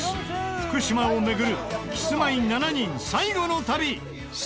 福島を巡るキスマイ７人最後の旅スタート！